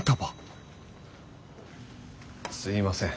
すいません。